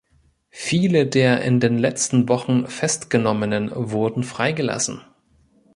Viele der in den letzten Wochen Festgenommenen wurden freigelassen.